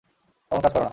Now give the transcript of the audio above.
এমন কাজ করো না।